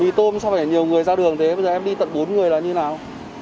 mì tôm sao phải nhiều người ra đường thế bây giờ em đi tận bốn người là như nào